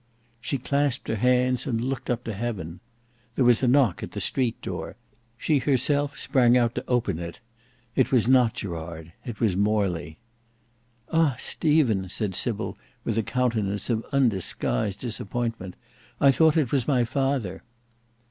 She clasped her hands and looked up to heaven. There was a knock at the street door; she herself sprang out to open it. It was not Gerard. It was Morley. "Ah! Stephen," said Sybil, with a countenance of undisguised disappointment, "I thought it was my father."